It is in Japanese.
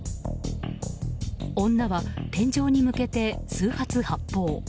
女は天井に向けて数発発砲。